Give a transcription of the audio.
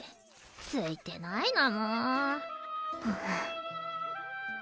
ついてないなもう。